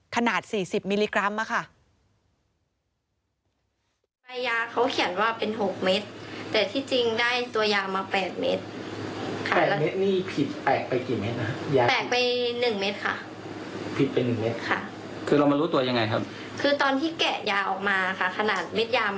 ขนาด๔๐มิลลิกรัมค่ะ